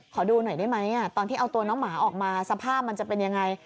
ขอดูหน่อยได้ไหมตอนที่เอาตัวน้องหมาออกมาสภาพมันจะเป็นยังไง